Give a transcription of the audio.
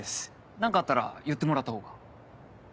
何かあったら言ってもらった方が。